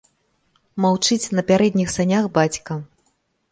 Маўчыць на пярэдніх санях бацька.